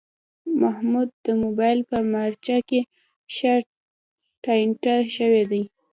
محمود د مبایل په مارچه کې ښه ټانټه شوی دی.